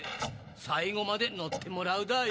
最後まで乗ってもらうだあよ。